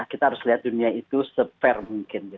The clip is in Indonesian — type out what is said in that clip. kita harus lihat dunia itu se fair mungkin